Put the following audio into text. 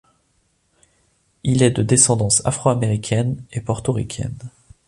Il est de descendance afro-américaine et portoricaine.